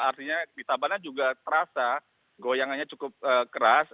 artinya di tabanan juga terasa goyangannya cukup keras